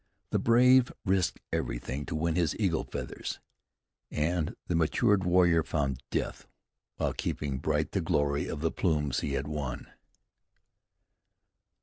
The brave risked everything to win his eagle feathers, and the matured warrior found death while keeping bright the glory of the plumes he had won.